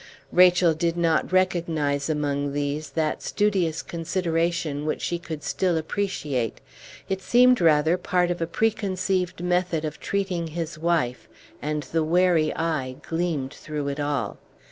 Rachel did not recognize among these that studious consideration which she could still appreciate; it seemed rather part of a preconceived method of treating his wife, and the wary eye gleamed through it all.